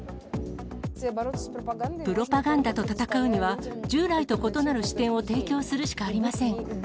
プロパガンダと戦うには、従来と異なる視点を提供するしかありません。